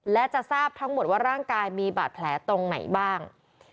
และจะทราบทั้งหมดว่าร่างกายมีบาดแผลตรงไหนบ้าง